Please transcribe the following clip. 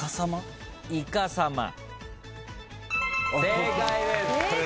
正解です。